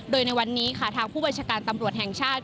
โดยในวันนี้ค่ะทางผู้บัญชาการตำรวจแห่งชาติ